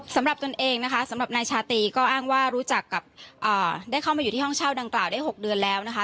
ตนเองนะคะสำหรับนายชาตรีก็อ้างว่ารู้จักกับได้เข้ามาอยู่ที่ห้องเช่าดังกล่าวได้๖เดือนแล้วนะคะ